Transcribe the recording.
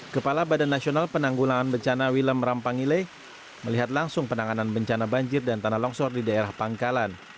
kepala badan nasional penanggulangan bencana wilam rampangile melihat langsung penanganan bencana banjir dan tanah longsor di daerah pangkalan